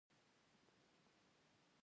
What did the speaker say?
د ننګرهار په شیرزاد کې د مرمرو کانونه دي.